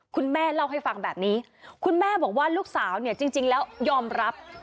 คุณแม่เล่าให้ฟังแบบนี้คุณแม่บอกว่าลูกสาวเนี่ยจริงแล้วยอมรับ